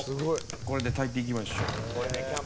これで炊いていきましょう。